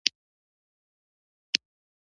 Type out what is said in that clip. نن اختر دی او کنه؟